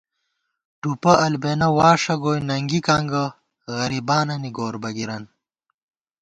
ٹُوپہ البېنہ واݭہ گوئی ننگِکاں گہ غریبانَنی گور بَگِرَن